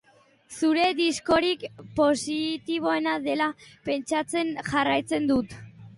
Zure diskorik positiboena dela pentsatzen jarraitzen dut.